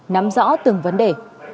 nắm rõ từng vấn đề